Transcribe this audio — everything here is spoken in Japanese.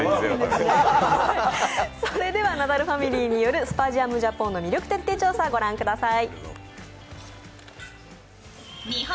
ナダルファミリーによるスパジアムジャポンの魅力徹底調査御覧ください。